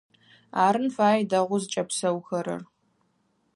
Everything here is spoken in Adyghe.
Арын фае дэгъоу зыкӀэпсэухэрэр.